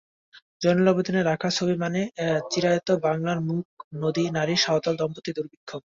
জয়নুল আবেদিনের আঁকা ছবি মানে চিরায়ত বাংলার মুখ, নদী, নারী, সাঁওতাল, দম্পতি, দুর্ভিক্ষ।